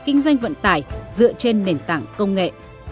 kinh doanh vận tải dựa trên nền tảng công nghệ